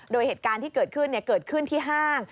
โดยเหตุการณ์ที่เกิดขึ้นเกิดขึ้นที่ห้าง